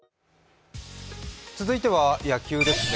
続いては野球ですね。